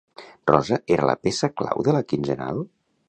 Rosa era la peça clau de la quinzenal?